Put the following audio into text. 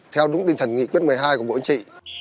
theo đúng tinh thần nghị quyết một mươi hai của bộ chỉ